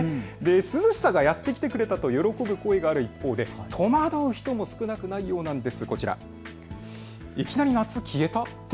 涼しさがやって来てくれたと喜ぶ声がある一方で戸惑う人も少なくないようなんです。